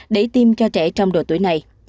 để tiêm cho trẻ trong độ tuổi này